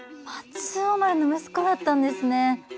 松王丸の息子だったんですね。